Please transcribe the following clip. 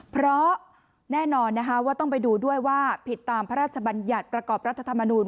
เพราะแน่นอนนะคะว่าต้องไปดูด้วยว่าผิดตามพระราชบัญญัติประกอบรัฐธรรมนูล